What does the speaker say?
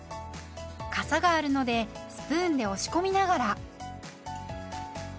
かさがあるのでスプーンで押し込みながら。